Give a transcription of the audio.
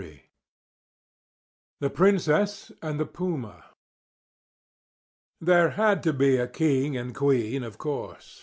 XV THE PRINCESS AND THE PUMA There had to be a king and queen, of course.